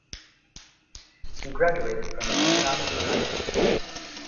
He graduated from an Economics High School.